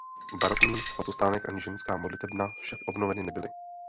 Barokní svatostánek ani ženská modlitebna však obnoveny nebyly.